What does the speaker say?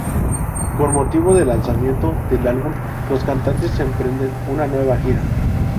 Con motivo del lanzamiento del álbum, los cantantes emprenden una nueva gira.